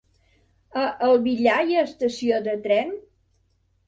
A el Villar hi ha estació de tren?